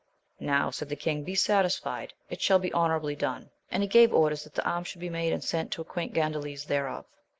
Now, said the king, be satisfied, it shall be honourably done. And he gave orders that the arms should be made, and sent to acquaint Gandales thereof.